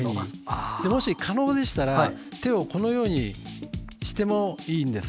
もし、可能でしたら手を交差してもいいです。